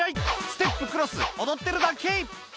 ステップクロス踊ってるだけ！」